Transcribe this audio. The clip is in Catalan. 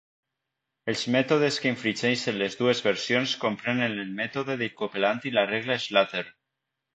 Els mètodes que infringeixen les dues versions comprenen el mètode de Copeland i la regla Slater.